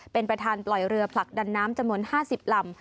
เป็นประธานปล่อยเรือผลักดันน้ำจำนวน๕๐ลำ